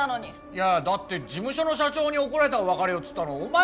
いやだって事務所の社長に怒られたから別れようっつったのお前。